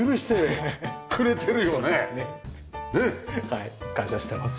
はい感謝してます。